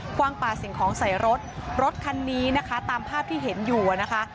ว่างป่าสิ่งของใส่รถรถคันนี้นะคะตามภาพที่เห็นอยู่นะคะ